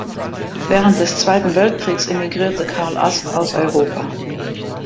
Während des Zweiten Weltkriegs emigrierte Karl Ast aus Europa.